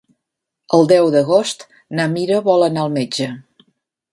El deu d'agost na Mira vol anar al metge.